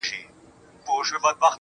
بيا به يې خپه اشـــــــــــــنا.